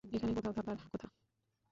এখানেই কোথাও থাকার কথা।